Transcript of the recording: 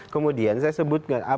kemudian saya sebutkan